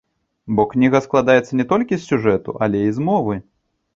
Бо кніга складаецца не толькі з сюжэту, але і з мовы.